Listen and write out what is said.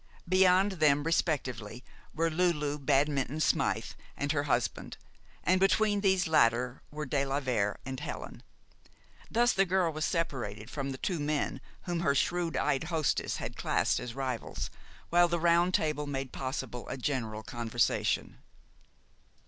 Beyond them, respectively, were Lulu Badminton Smythe and her husband, and between these latter were de la Vere and Helen. Thus, the girl was separated from the two men whom her shrewd eyed hostess had classed as rivals, while the round table made possible a general conversation.